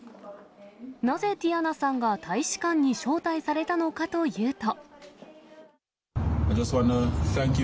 なぜティヤナさんが大使館に招待されたのかというと。